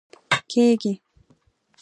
کیږي